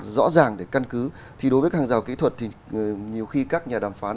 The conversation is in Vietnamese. rõ ràng để căn cứ thì đối với hàng rào kỹ thuật thì nhiều khi các nhà đàm phán